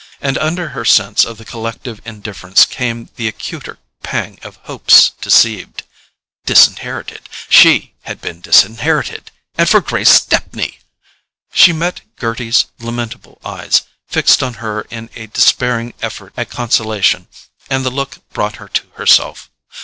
And under her sense of the collective indifference came the acuter pang of hopes deceived. Disinherited—she had been disinherited—and for Grace Stepney! She met Gerty's lamentable eyes, fixed on her in a despairing effort at consolation, and the look brought her to herself.